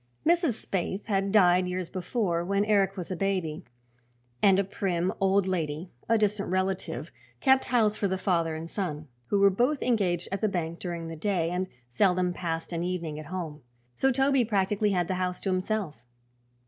Mrs. Spaythe had died years before, when Eric was a baby, and a prim old lady, a distant relative, kept house for the father and son, who were both engaged at the bank during the day and seldom passed an evening at home. So Toby practically had the house to himself.